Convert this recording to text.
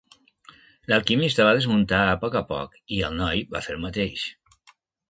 L'alquimista va desmuntar a poc a poc i el noi va fer el mateix.